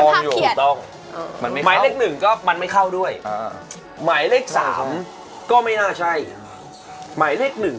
อันนี้คือขาของเสื้อขาวแน่เลยอันนั้นอะสีแดง